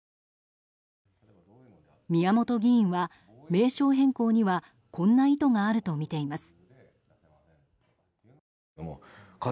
宮本議員は、名称変更にはこんな意図があるとみています。